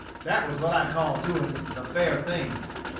That was what I call doing the fair thing."